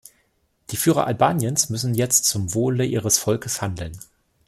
Die Führer Albaniens müssen jetzt zum Wohle ihres Volkes handeln.